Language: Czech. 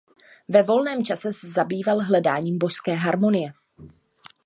Ve volném čase se zabýval hledáním božské harmonie.